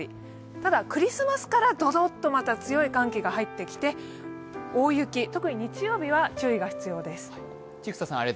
ただクリスマスからドドッと強い寒気が入ってきて大雪、特に日曜日は注意が必要です